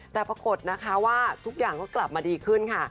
แต่ปรากฏนะคะว่าทุกอย่างก็กลับมาดีขึ้นค่ะ